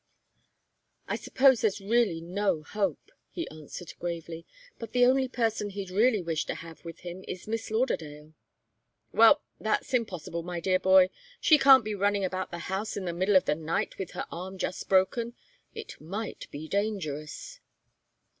"I suppose there's really no hope," he answered, gravely. "But the only person he'd really wish to have with him is Miss Lauderdale." "Well that's impossible, my dear boy. She can't be running about the house in the middle of the night with her arm just broken. It might be dangerous."